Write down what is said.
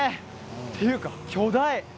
っていうか、巨大！